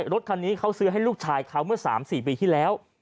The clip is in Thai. รถคันนี้เขาซื้อให้ลูกชายเขาเมื่อ๓๔ปีที่แล้ว